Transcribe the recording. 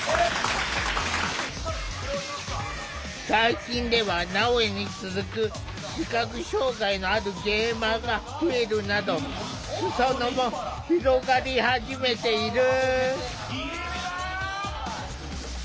最近ではなおやに続く視覚障害のあるゲーマーが増えるなど裾野も広がり始めている。